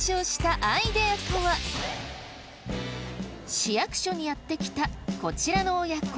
市役所にやって来たこちらの親子。